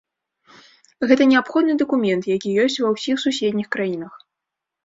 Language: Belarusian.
Гэта неабходны дакумент, які ёсць ва ўсіх суседніх краінах.